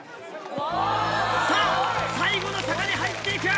さぁ最後の坂に入っていく！